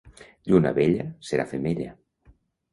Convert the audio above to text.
Lluna vella, serà femella.